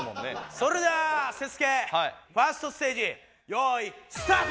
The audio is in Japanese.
それではＳＥＳＵＫＥ１ｓｔステージ用意スタート！